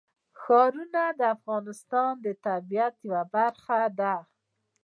ښارونه د افغانستان د طبیعت یوه برخه ده.